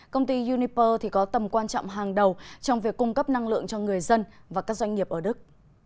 công ty uniper có tầm quan trọng hàng đầu trong việc cung cấp năng lượng cho người dân và các doanh nghiệp ở đức